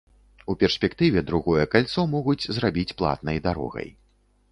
У перспектыве другое кальцо могуць зрабіць платнай дарогай.